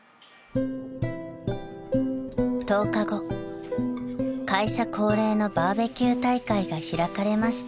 ［１０日後会社恒例のバーベキュー大会が開かれました］